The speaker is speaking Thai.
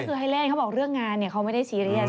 ก็คือให้เล่นเขาบอกเรื่องงานเนี่ยเขาไม่ได้ซีเรียส